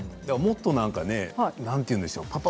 もっとなんかね何て言うんでしょう